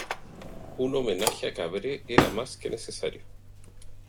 Un homenaje a Cabré era más que necesario.